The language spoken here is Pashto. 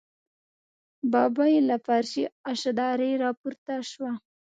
ببۍ له فرشي اشدارې راپورته شوه.